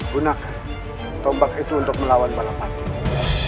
gunakan tombak itu untuk melawan balapan